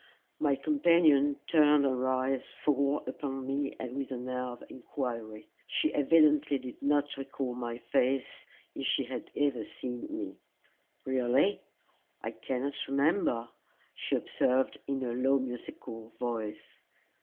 My companion turned her eyes full upon me with an air of inquiry. She evidently did not recall my face, if she had ever seen me. "Really I cannot remember," she observed, in a low and musical voice.